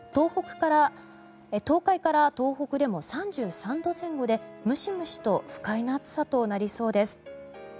東海から東北でも３３度前後でムシムシと不快な暑さとなりそうです。